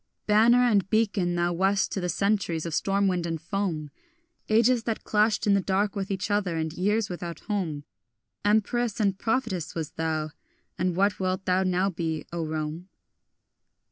Banner and beacon thou wast to the centuries of storm wind and foam, Ages that clashed in the dark with each other, and years without home; Empress and prophetess wast thou, and what wilt thou now be, O Rome?